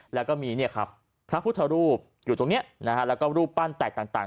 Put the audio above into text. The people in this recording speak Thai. แล้วก็มีพระพุทธรูปอยู่ตรงนี้แล้วก็รูปปั้นแตกต่าง